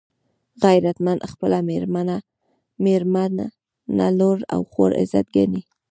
غیرتمند خپله مېرمنه، لور او خور عزت ګڼي